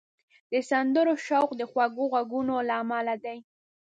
د سندرو شوق د خوږو غږونو له امله دی